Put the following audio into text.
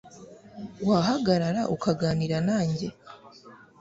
wahagarara ukaganira nanjye